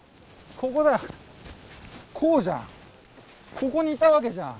ここにいたわけじゃん。